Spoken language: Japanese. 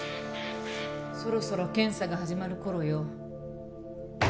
そろそろ検査が始まる頃よ。